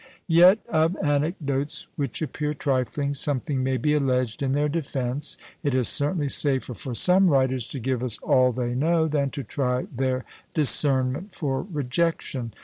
Yet of anecdotes which appear trifling, something may be alleged in their defence. It is certainly safer for some writers to give us all they know, than to try their discernment for rejection.